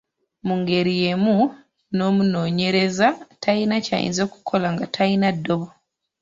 Mu ngeri y’emu, n’omunoonyereza talina ky’ayinza kukola nga talina ddobo.